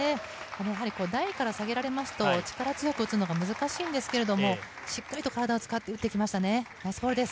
やはり台から下げられますと、力強いショットを打つのが難しいんですけれど、しっかり体を使って打ってきましたね、ナイスボールです。